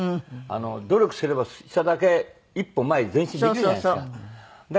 努力すればしただけ一歩前に前進できるじゃないですか。